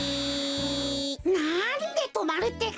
なんでとまるってか！